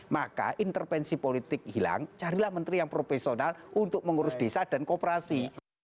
maka intervensi politik hilang carilah menteri yang profesional untuk mengurus desa dan kooperasi